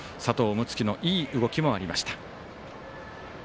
樹のいい動きもありました。